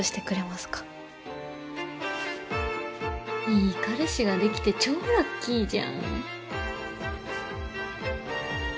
いい彼氏ができて超ラッキーじゃん。